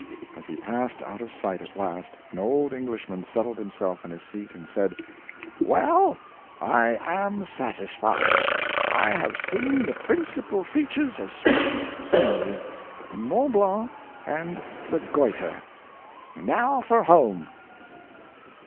As he passed out of sight at last, an old Englishman settled himself in his seat and said: "Well, I am satisfied, I have seen the principal features of Swiss scenery Mont Blanc and the goiter now for home!"